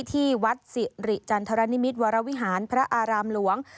ที่วัดสิริจันทรนิมิตรวรวิหารพระอารามหลวง